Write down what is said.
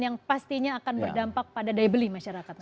yang pastinya akan berdampak pada daya beli masyarakat